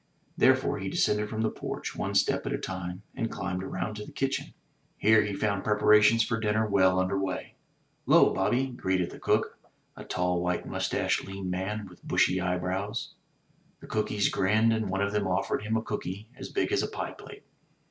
Therefore he descended from the porch, one step at a time, and climbed around to the kitchen. Here he found preparations for dinner well under way. '*'Llo, Bobby," greeted the cook, a tall white moustached lean man with bushy eyebrows. The cookees grinned, and one of them offered him a cooky as big as a pie plate.